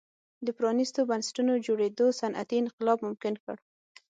د پرانیستو بنسټونو جوړېدو صنعتي انقلاب ممکن کړ.